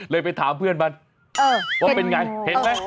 ไปถามเพื่อนมันว่าเป็นไงเห็นไหม